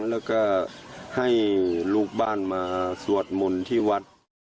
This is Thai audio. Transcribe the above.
แล้วก็ให้ลูกบ้านมาสวดมนต์ที่วัด